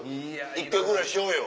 １曲ぐらいしようよ。